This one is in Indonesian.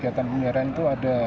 kegiatan pemeliharaan itu ada